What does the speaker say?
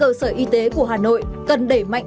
cơ sở y tế của hà nội cần đẩy mạnh